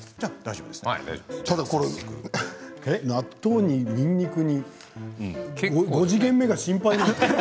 ただこれ、納豆ににんにくに５時限目が心配ですよ。